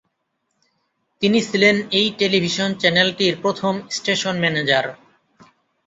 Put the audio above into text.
তিনি ছিলেন এই টেলিভিশন চ্যানেলটির প্রথম স্টেশন ম্যানেজার।